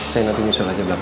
saya nanti misal aja belakang